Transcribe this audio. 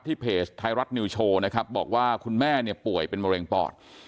เพจไทยรัฐนิวโชว์นะครับบอกว่าคุณแม่เนี่ยป่วยเป็นมะเร็งปอด